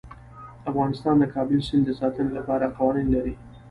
افغانستان د کابل سیند د ساتنې لپاره قوانین لري.